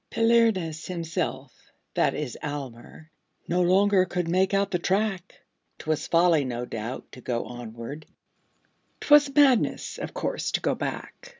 Palinurus himself that is Almer No longer could make out the track; 'Twas folly, no doubt, to go onward; 'Twas madness, of course, to go back.